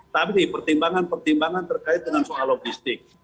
tapi pertimbangan pertimbangan terkait dengan soal logistik